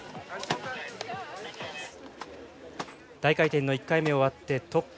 大回転の１回目終わってトップ。